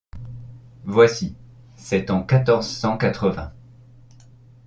Voici. — C’est en quatorze cent-quatre-vingt. ..